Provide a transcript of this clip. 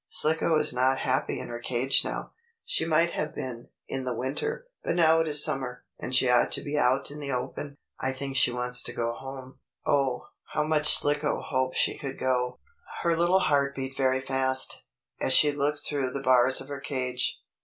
"Slicko is not happy in her cage now. She might have been, in the winter, but now it is summer, and she ought to be out in the open. I think she wants to go." Oh, how much Slicko hoped she could go! Her little heart beat very fast, as she looked through the bars of her cage.